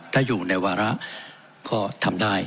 ถ้าอยู่ในวาระก็ทำได้